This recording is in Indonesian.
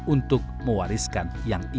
untuk mewariskan yang terbaik